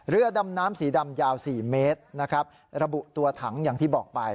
รางวัลที่๑ของลอตเตอรี่นี่